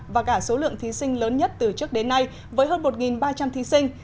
và cả số lượng thí sinh lớn nhất từ trước đến nay với hơn một ba trăm linh thí sinh